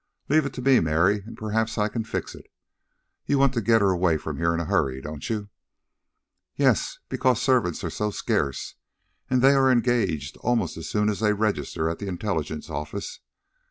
Leave it to me, Mary, and perhaps I can fix it. You want to get her away from here in a hurry; don't you?" "Yes, because servants are so scarce, that they are engaged almost as soon as they register at the intelligence office.